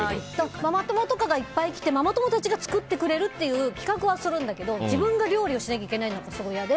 ママ友とかがいっぱい来てママ友たちが作ってくれるという企画はするんだけど自分が料理をしなきゃいけないのがすごい嫌で。